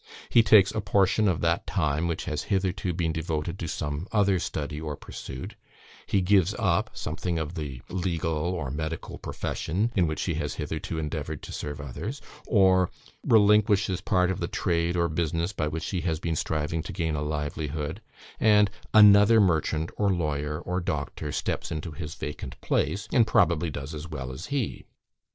He takes a portion of that time which has hitherto been devoted to some other study or pursuit; he gives up something of the legal or medical profession, in which he has hitherto endeavoured to serve others, or relinquishes part of the trade or business by which he has been striving to gain a livelihood; and another merchant or lawyer, or doctor, steps into his vacant place, and probably does as well as he.